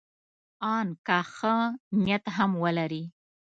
ان که ښه نیت هم ولري.